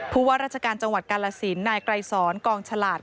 ว่าราชการจังหวัดกาลสินนายไกรสอนกองฉลาด